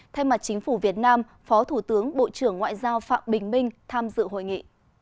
thay mặt chính phủ việt nam phó thủ tướng bộ trưởng ngoại giao phạm bình minh tham dự hội nghị